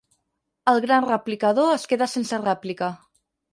El gran replicador es queda sense rèplica.